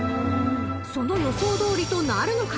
［その予想どおりとなるのか］